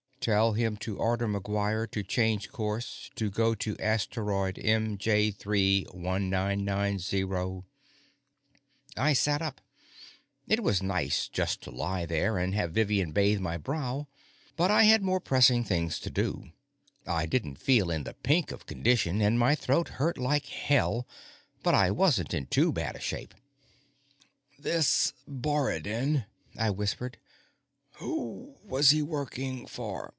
"Tell him to order McGuire to change course, to go to Asteroid MJ3 1990." I sat up. It was nice just to lie there and have Vivian bathe my brow, but I had more pressing things to do. I didn't feel in the pink of condition, and my throat hurt like hell, but I wasn't in too bad a shape. "This Borodin," I whispered, "who was he working for?"